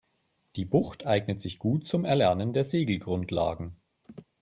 Die Bucht eignet sich gut zum Erlernen der Segelgrundlagen.